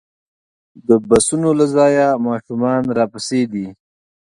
د بسونو له ځایه ماشومان راپسې دي.